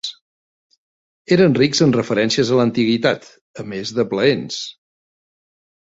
Eren rics en referències a l'antiguitat, a més de plaents.